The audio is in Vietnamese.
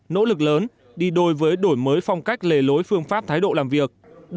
nỗ lực lớn đi đôi với đổi mới phong cách lề lối phương pháp thái độ làm việc